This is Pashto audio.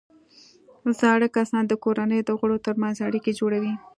زاړه کسان د کورنۍ د غړو ترمنځ اړیکې جوړوي